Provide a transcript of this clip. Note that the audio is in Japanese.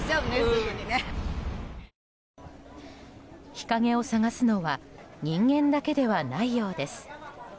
日陰を探すのは人間だけではないようです。